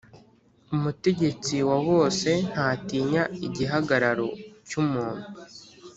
Umutegetsi wa bose ntatinya igihagararo cy’umuntu,